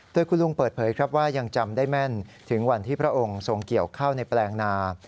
โดยคุณลุงเปิดเผยครับว่ายังจำได้แม่นถึงวันที่พระองค์ทรงเกี่ยวข้าวในแปลงนา